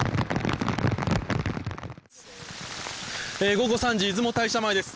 午後３時出雲大社前です。